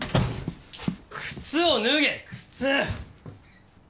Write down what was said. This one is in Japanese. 靴を脱げ靴！